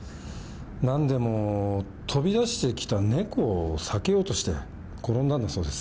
なんでも飛び出してきたネコを避けようとして転んだんだそうです。